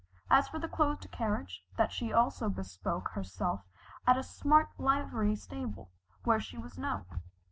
As for the closed carriage, that she also bespoke herself at a smart livery stable where she was known.